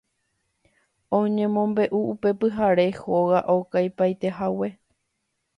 Oñemombe'u upe pyhare hóga okaipaitehague